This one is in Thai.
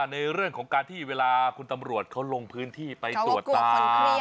ในเรื่องของการที่เวลาคุณตำรวจเขาลงพื้นที่ไปตรวจตา